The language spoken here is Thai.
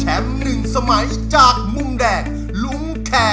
แชมป์หนึ่งสมัยจากมุมแดง